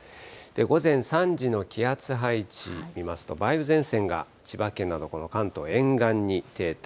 午前３時の気圧配置見ますと、梅雨前線が千葉県など、この関東沿岸に停滞。